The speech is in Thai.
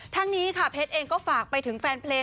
ทั้งนี้ค่ะเพชรเองก็ฝากไปถึงแฟนเพลง